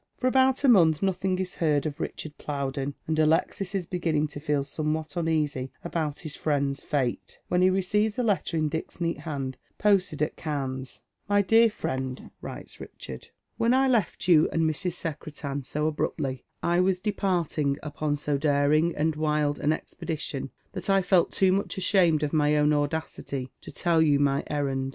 For about a month nothing is heard of Richard Plowden, and Alexis is beginning to feel somewhat uneasy about his friend s fate, when he receives a letter, in Dick's neat hand, posted at Cannes. My dear fiiend,"' writes Bicbttnl " when I left you and Mrs. S55 Dead Metis Shoes. Secretan so abruptly I was departing upon so daring and wild an expedition, that I felt too much ashamed of my own audacity to tell you my errand.